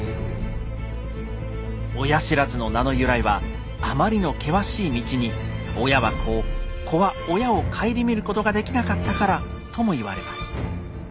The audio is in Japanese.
「親不知」の名の由来はあまりの険しい道に親は子を子は親を顧みることができなかったからとも言われます。